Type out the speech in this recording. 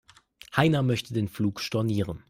Heiner möchte den Flug stornieren.